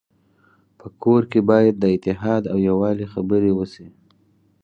په کور کي باید د اتحاد او يووالي خبري وسي.